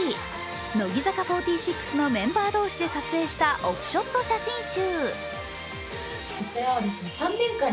乃木坂４６のメンバー同士で撮影したオフショット写真集。